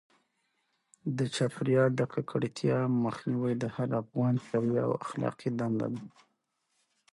د چاپیریال د ککړتیا مخنیوی د هر افغان شرعي او اخلاقي دنده ده.